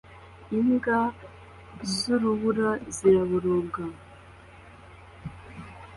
Imbwa z'urubura ziraboroga